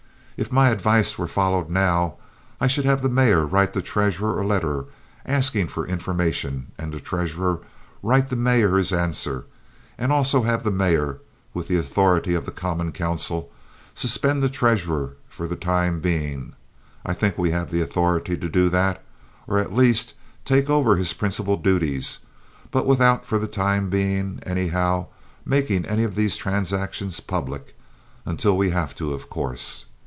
If my advice were followed now, I should have the mayor write the treasurer a letter asking for information, and the treasurer write the mayor his answer, and also have the mayor, with the authority of the common council, suspend the treasurer for the time being—I think we have the authority to do that—or, at least, take over his principal duties but without for the time being, anyhow, making any of these transactions public—until we have to, of course.